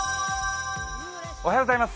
おはようございます。